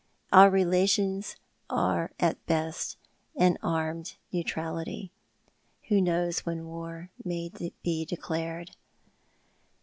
Our relations are at best an armed neutrality. Who knows when war may be declared